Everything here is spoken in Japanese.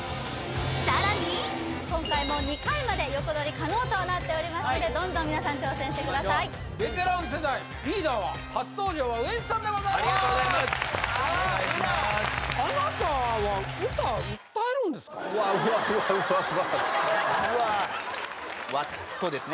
さらに今回も２回まで横取り可能となっておりますのでどんどん皆さん挑戦してくださいいきましょうベテラン世代リーダーは初登場ウエンツさんでございますありがとうございますお願いしまーすうわうわうわうわうわＷａＴですね